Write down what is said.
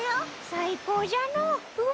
最高じゃのう海。